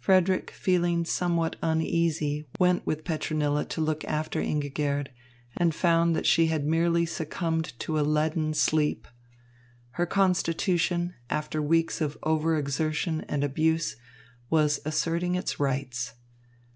Frederick feeling somewhat uneasy went with Petronilla to look after Ingigerd, and found that she had merely succumbed to a leaden sleep. Her constitution, after weeks of over exertion and abuse, was asserting its rights.